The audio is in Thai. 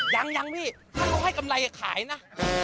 ยังยังพี่ถ้าเขาให้กำไรขายนะ